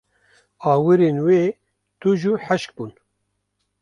Awirên wê tûj û hişk bûn.